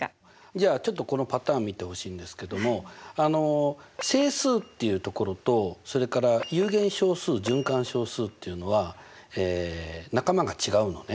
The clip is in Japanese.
じゃあちょっとこのパターン見てほしいんですけどもあの整数っていうところとそれから有限小数循環小数っていうのはえ仲間が違うのね。